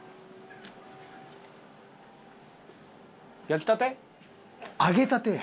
焼きたて？